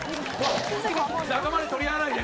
仲間で取り合わないで！